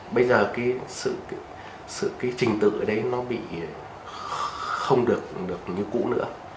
bây giờ cái trình tự ở đấy nó bị không được như cũ nữa